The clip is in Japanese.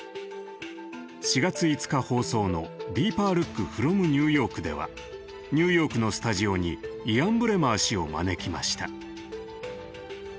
４月５日放送の「ＤＥＥＰＥＲＬＯＯＫｆｒｏｍＮｅｗＹｏｒｋ」ではニューヨークのスタジオにイアン・ブレマー氏を招きました。